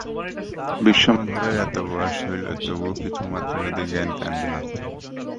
বিশ্বম্ভরের এত বয়স হইল, তবু কিছুমাত্র যদি জ্ঞানকাণ্ড আছে।